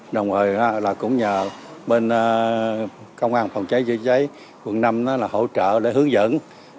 đồng hồi cũng nhờ bên công an phòng trái chữa trái quận năm hỗ trợ để hướng dẫn